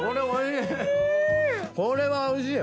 これはおいしい！